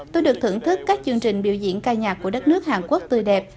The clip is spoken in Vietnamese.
tôi được thưởng thức các chương trình biểu diễn ca nhạc của đất nước hàn quốc tươi đẹp